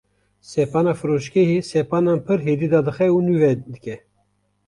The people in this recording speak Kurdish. Sepana firoşgehê sepanan pir hêdî dadixe û nûve dike